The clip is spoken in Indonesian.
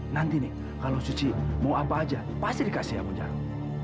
nanti nih kalau suci mau apa aja pasti dikasih ya om jarod